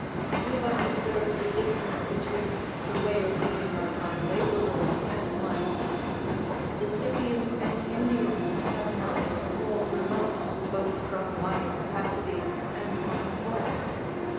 Do but observe the difference betwixt the way of living of my labourers and my own; the Scythians and Indians have nothing more remote both from my capacity and my form.